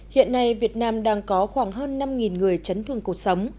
hiện nay việt nam đang có khoảng hơn năm người chấn thương cuộc sống